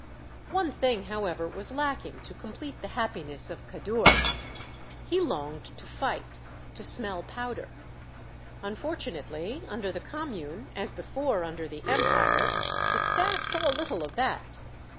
One thing, however, was lacking to complete the happiness of Kadour. He longed to fight, to smell powder. Unfortunately, under the Commune, as before under the Empire, the staff saw little of that.